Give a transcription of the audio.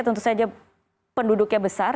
tentu saja penduduknya besar